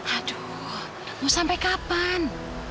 aduh mau sampai kapan